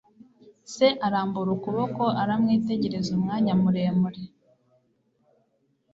Se arambura ukuboko aramwitegereza umwanya muremure.